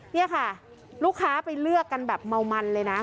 นี่ค่ะลูกค้าไปเลือกกันแบบเมามันเลยนะ